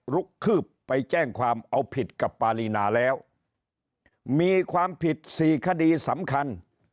คืบไปแจ้งความเอาผิดกับปารีนาแล้วมีความผิดสี่คดีสำคัญ